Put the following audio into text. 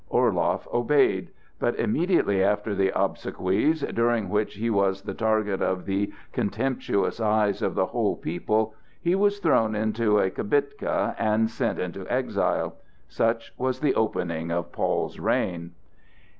Orloff obeyed: but immediately after the obsequies, during which he was the target of the contemptuous eyes of the whole people, he was thrown into a kibitka and sent into exile. Such was the opening of Paul's reign.